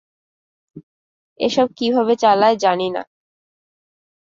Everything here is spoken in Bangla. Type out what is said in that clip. এসব কীভাবে চালায় জানি না।